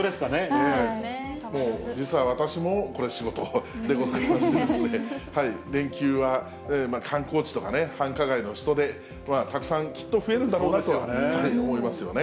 実は私もこれ、仕事でございまして、連休は観光地とか繁華街の人出、たくさんきっと増えるんだろうなとは思いますね。